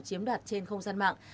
chiếm đoạt trên không gian mạng